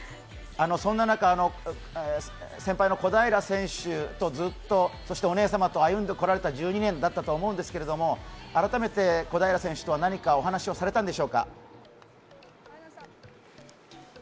そんな中、先輩の小平選手とずっとそしてお姉様と歩んできた１２年だと思うんですけれども、改めて小平選手とは何かお話をされたんでしょうか？